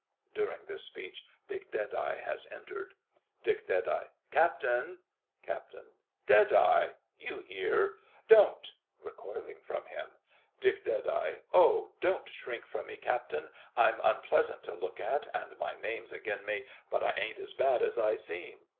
(During this speech DICK DEADEYE has entered.) DICK. Captain. CAPT. Deadeye! You here? Don't! (Recoiling from him.) DICK. Ah, don't shrink from me, Captain. I'm unpleasant to look at, and my name's agin me, but I ain't as bad as I seem.